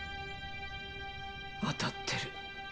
当たってる。